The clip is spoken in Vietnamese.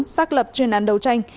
xác lập chuyên án đấu tranh